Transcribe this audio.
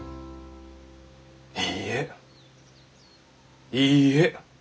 いいえいいえ！